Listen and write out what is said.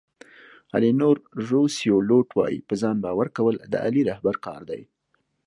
الینور روسیولوټ وایي په ځان باور کول د عالي رهبر کار دی.